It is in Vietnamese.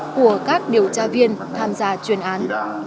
của các điều tra viên tham gia truyền án